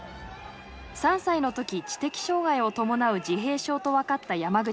３歳の時知的障害を伴う自閉症と分かった山口選手。